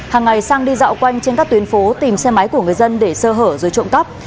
hàng ngày sang đi dạo quanh trên các tuyến phố tìm xe máy của người dân để sơ hở rồi trộm cắp